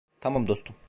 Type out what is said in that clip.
Tamam dostum.